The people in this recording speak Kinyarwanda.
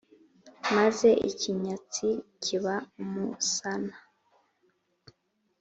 maze ikinyatsi kiba umusana.